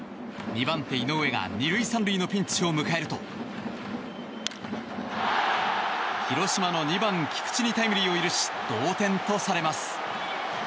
２番手、井上が２塁３塁のピンチを迎えると広島の２番、菊地にタイムリーを許し同点とされます。